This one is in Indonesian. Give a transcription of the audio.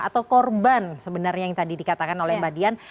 atau korban sebenarnya yang tadi dikatakan oleh mbak dian